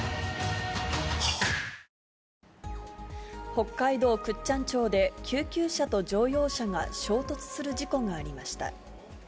北海道倶知安町で、救急車と乗用車が衝突する事故がありました。